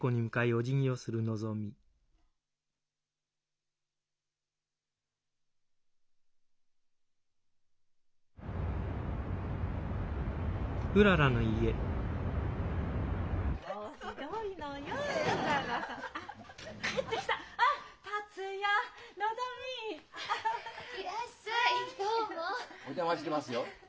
お邪魔してますよ。